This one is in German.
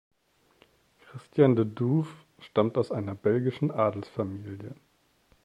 Christian de Duve stammt aus einer belgischen Adelsfamilie.